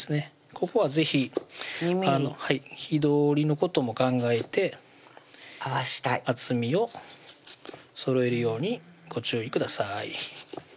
ここは是非火通りのことも考えて合わしたい厚みをそろえるようにご注意ください